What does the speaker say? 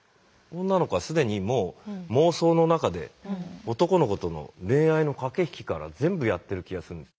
女の子はすでにもう妄想の中で男の子との恋愛の駆け引きから全部やってる気がするんです。